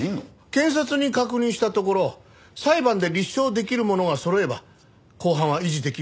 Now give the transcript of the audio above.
検察に確認したところ裁判で立証できるものがそろえば公判は維持できるそうですよ。